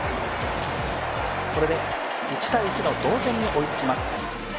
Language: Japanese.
これで１−１の同点に追いつきます。